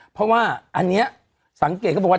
เพราะว่าอันนี้สังเกตก็บอกว่า